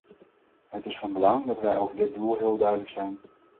Het is van belang dat wij over dit doel heel duidelijk zijn.